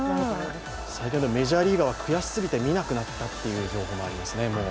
先ほどメジャーリーガーは悔しすぎてみなくなったという情報も入ってますね。